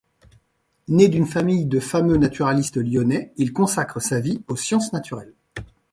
Né d'une famille de fameux naturalistes lyonnais, il consacre sa vie aux sciences naturelles.